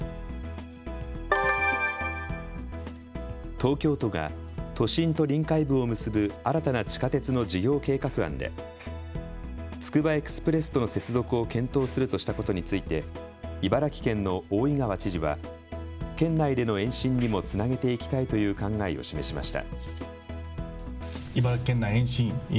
東京都が都心と臨海部を結ぶ新たな地下鉄の事業計画案で、つくばエクスプレスとの接続を検討するとしたことについて茨城県の大井川知事は、県内での延伸にもつなげていきたいという考えを示しました。